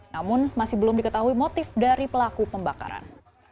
namun masih belum diketahui motif dari pelaku pembakaran